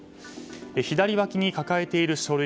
左わきに抱えている書類。